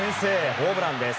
ホームランです。